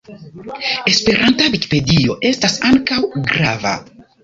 Esperanta vikipedio estas ankaŭ grava.